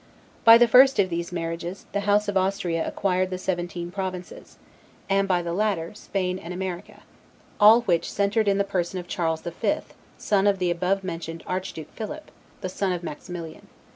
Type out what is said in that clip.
By the first of these marriages, the house of Austria acquired the seventeen provinces, and by the latter, Spain and America; all which centered in the person of Charles the Fifth, son of the above mentioned Archduke Philip, the son of Maximilian.